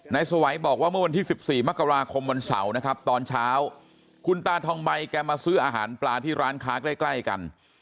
สวัยบอกว่าเมื่อวันที่๑๔มกราคมวันเสาร์นะครับตอนเช้าคุณตาทองใบแกมาซื้ออาหารปลาที่ร้านค้าใกล้กัน